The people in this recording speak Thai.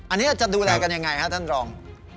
อันนี้จะดูแลกันยังไงครับท่านรอง